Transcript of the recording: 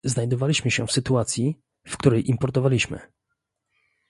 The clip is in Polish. Znajdowaliśmy się w sytuacji, w której importowaliśmy